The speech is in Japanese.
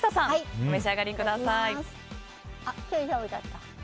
お召し上がりください。